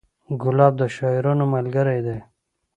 ګلاب د شاعرانو ملګری دی.